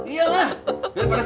iya lah biar pada syarat